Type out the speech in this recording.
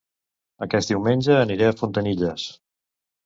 Aquest diumenge aniré a Fontanilles